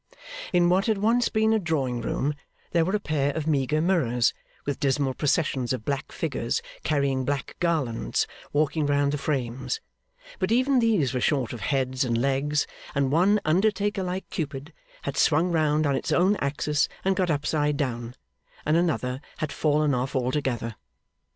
In what had once been a drawing room, there were a pair of meagre mirrors, with dismal processions of black figures carrying black garlands, walking round the frames; but even these were short of heads and legs, and one undertaker like Cupid had swung round on its own axis and got upside down, and another had fallen off altogether.